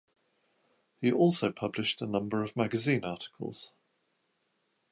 He also published a number of magazine articles.